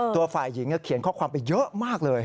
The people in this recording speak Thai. ตัวฝ่ายหญิงเขียนข้อความไปเยอะมากเลย